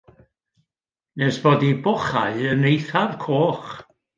Nes bod ei bochau yn eithaf coch.